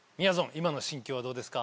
今の心境はどうですか？